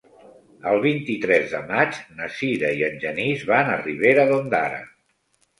El vint-i-tres de maig na Sira i en Genís van a Ribera d'Ondara.